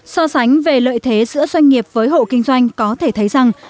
so sánh về lợi thế giữa doanh nghiệp với hộ kinh doanh có thể thấy rằng